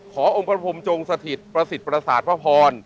ขอองค์พระพรหมจงสถิตรประสิทธิ์ปราศาสตร์พระพร